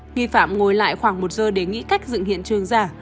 nghi phạm ngồi lại khoảng một giờ để nghĩ cách dựng hiện trường giả